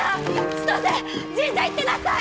千歳神社行ってなさい！